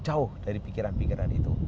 jauh dari pikiran pikiran itu